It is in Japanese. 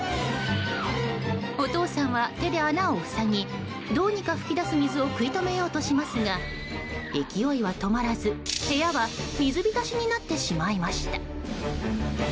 お父さんは手で穴を塞ぎどうにか噴き出す水を食い止めようとしますが勢いは止まらず部屋は水浸しになってしまいました。